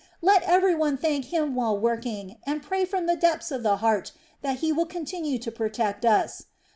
Let everyone thank Him while working, and pray from the depths of the heart that He will continue to protect us.